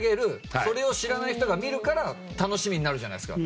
それを知らない人が見るから楽しみになるじゃないですか。